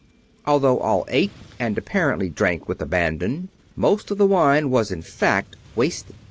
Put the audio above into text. Although all ate and apparently drank with abandon, most of the wine was in fact wasted.